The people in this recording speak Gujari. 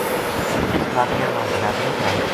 اس واقعہ ما بلادری کا